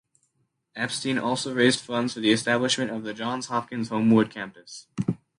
Epstein also raised funds for the establishment of the Johns Hopkins Homewood campus.